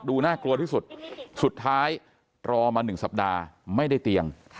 น่ากลัวที่สุดสุดท้ายรอมา๑สัปดาห์ไม่ได้เตียง